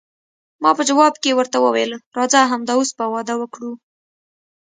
ما په جواب کې ورته وویل، راځه همد اوس به واده وکړو.